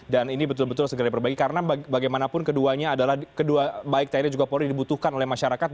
dan ini betul betul segera diperbaiki karena bagaimanapun keduanya adalah kedua baik tni dan juga polri dibutuhkan oleh masyarakat